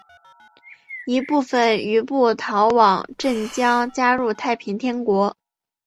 一部分余部逃往镇江加入太平天国。